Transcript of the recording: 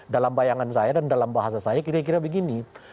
dalam bayangan saya dan dalam bahasa saya kira kira begini